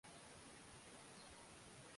watu wengine na zaidi ya hayo hawajisifu kwa